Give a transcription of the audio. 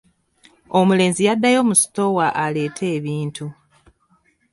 Omulenzi yaddayo mu sitoowa aleete ebintu.